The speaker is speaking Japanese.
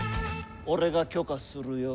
俺が許可するよ。